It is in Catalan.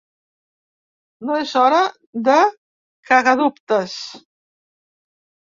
No és hora de cagadubtes.